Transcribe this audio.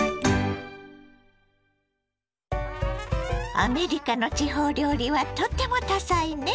アメリカの地方料理はとっても多彩ね。